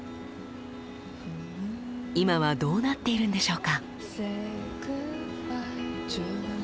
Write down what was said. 今はどうなっているんでしょうか？